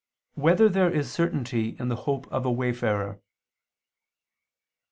4] Whether There Is Certainty in the Hope of a Wayfarer?